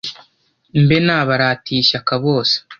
mbe nabaratiye ishyaka bose